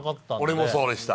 俺もそうでした。